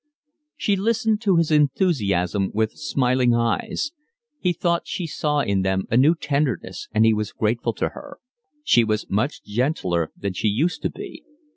She listened to his enthusiasm with smiling eyes. He thought he saw in them a new tenderness, and he was grateful to her. She was much gentler than she used to be.